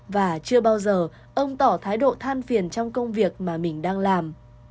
và chưa bao giờ ông tỏ thái độ than phiền trong công việc mà mình đang làm